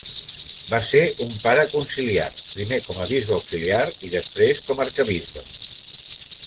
Va ser un pare conciliar, primer com a bisbe auxiliar i després com a arquebisbe.